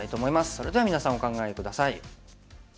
それでは皆さんお考え下さい。